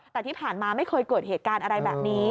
แต่ที่ผ่านมาไม่เคยเกิดเหตุการณ์อะไรแบบนี้